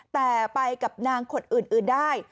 แต่ไปกับนางคนอื่นได้